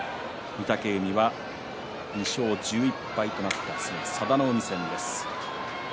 御嶽海は２勝１１敗となって明日は佐田の海戦です。